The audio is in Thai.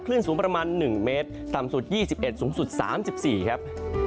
คลื่นสูงประมาณ๑เมตรต่ำสุด๒๑องศาสูงสุด๓๔องศาครับ